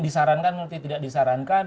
disarankan atau tidak disarankan